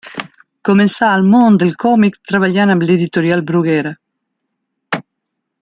Començà al món del còmic treballant amb l'editorial Bruguera.